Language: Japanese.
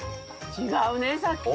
違うねさっきと。